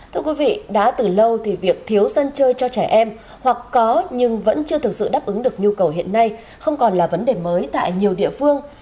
thưa quý vị đã từ lâu thì việc thiếu sân chơi cho trẻ em hoặc có nhưng vẫn chưa thực sự đáp ứng được nhu cầu hiện nay không còn là vấn đề mới tại nhiều địa phương